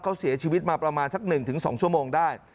เขาเสียชีวิตมาประมาณสัก๑๒ชั่วโมงได้